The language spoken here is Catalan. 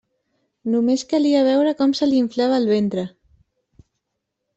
Només calia veure com se li inflava el ventre.